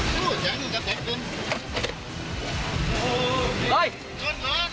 สวัสดีครับ